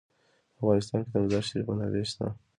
په افغانستان کې د مزارشریف منابع شته.